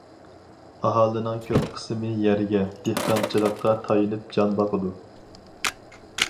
ئاھالىنىڭ كۆپ قىسمى يەرگە، دېھقانچىلىققا تايىنىپ جان باقىدۇ.